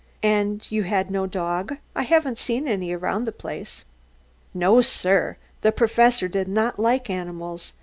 "And you had no dog? I haven't seen any around the place." "No, sir; the Professor did not like animals.